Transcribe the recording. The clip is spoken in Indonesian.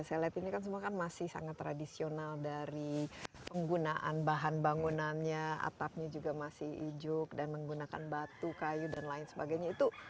saya lihat ini kan semua kan masih sangat tradisional dari penggunaan bahan bangunannya atapnya juga masih ijuk dan menggunakan batu kayu dan lain sebagainya